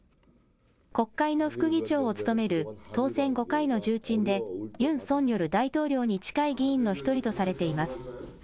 国会の副議長を務める当選５回の重鎮で、ユン・ソンニョル大統領に近い議員の一人とされています。